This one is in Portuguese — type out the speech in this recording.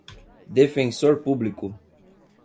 defensor público